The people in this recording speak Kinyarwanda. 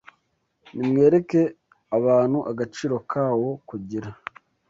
Nimwereke abantu agaciro kawo kugira